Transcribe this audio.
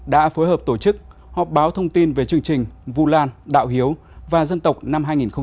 đã phối hợp tổ chức họp báo thông tin về chương trình vu lan đạo hiếu và dân tộc năm hai nghìn một mươi chín